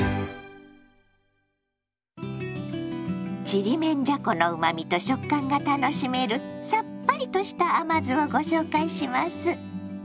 ちりめんじゃこのうまみと食感が楽しめるさっぱりとした甘酢をご紹介します。